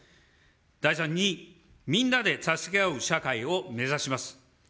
第３にみんなで助け合う社会を目指します。